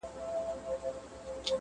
o په وږې خېټه غومبر نه کېږي٫